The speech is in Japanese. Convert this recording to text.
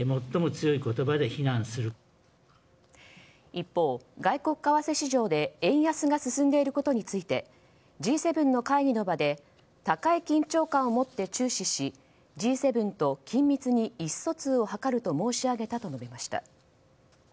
一方、外国為替市場で円安が進んでいることについてＧ７の会議の場で高い緊張感を持って注視しＧ７と緊密に意思疎通を図ると申し上げたと述べました。